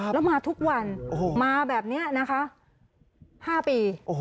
แล้วมาทุกวันมาแบบนี้นะคะ๕ปี